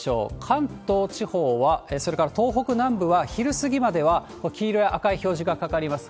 関東地方は、それから東北南部は、昼過ぎまではこれ、黄色や赤い表示がかかります。